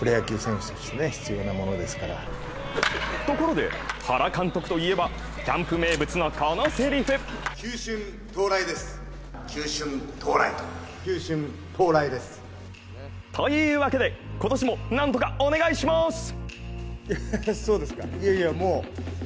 ところで、原監督と言えばキャンプ名物のこのせりふ。というわけで、今年も何とかお願いします。